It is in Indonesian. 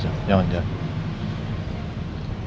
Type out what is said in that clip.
bisa bisa bisa jangan jangan